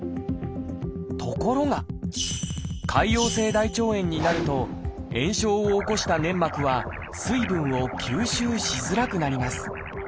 ところが潰瘍性大腸炎になると炎症を起こした粘膜は水分を吸収しづらくなります。